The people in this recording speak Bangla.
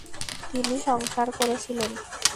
তিনি সংস্কার করেছিলেন।